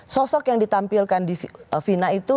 sosok yang ditampilkan di vina itu